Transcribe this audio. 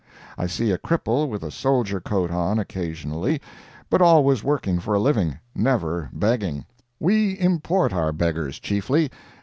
I see a cripple with a soldier coat on occasionally, but always working for a living—never begging. We import our beggars chiefly.